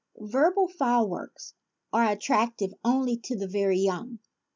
Verbal fireworks are attractive only to the very young.